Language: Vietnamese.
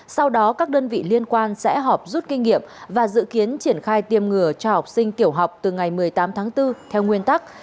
sau đó các đơn vị liên quan sẽ họp rút kinh nghiệm và dự kiến triển khai tiêm ngừa cho học sinh tiểu học từ ngày một mươi tám tháng bốn theo nguyên tắc